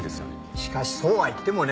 しかしそうは言ってもね。